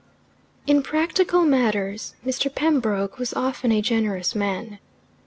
XVII In practical matters Mr. Pembroke was often a generous man.